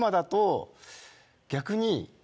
逆に。